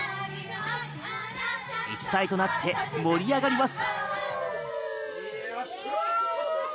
一体となって盛り上がります。